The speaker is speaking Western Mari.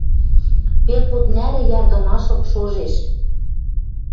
Пел пуд нӓрӹ ярдымашлык шожеш...